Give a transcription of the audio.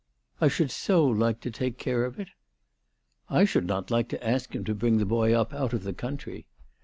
" I should so like to take care of it." " I should not like to ask him to bring the boy up out of the country."